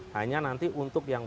hanya nanti untuk yang